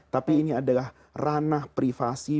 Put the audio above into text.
tapi ini adalah ranah privasi